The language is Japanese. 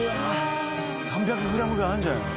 ３００グラムぐらいあるんじゃないの？